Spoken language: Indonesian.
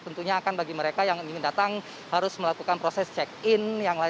tentunya akan bagi mereka yang ingin datang harus melakukan proses check in